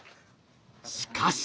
しかし。